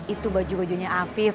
itu baju bajunya afif